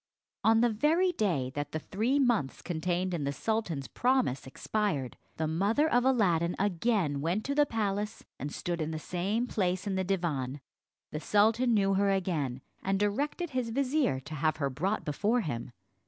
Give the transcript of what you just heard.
On the very day that the three months contained in the sultan's promise expired, the mother of Aladdin again went to the palace, and stood in the same place in the divan. The sultan knew her again, and directed his vizier to have her brought before him.